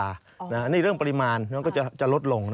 อันนี้เรื่องปริมาณก็จะลดลงนะครับ